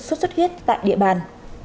suốt suốt huyết tại địa bàn